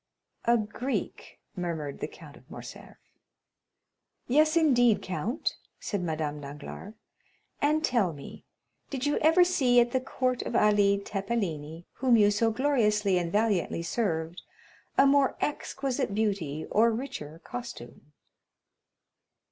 "A Greek?" murmured the Count of Morcerf. "Yes, indeed, count," said Madame Danglars; "and tell me, did you ever see at the court of Ali Tepelini, whom you so gloriously and valiantly served, a more exquisite beauty or richer costume?"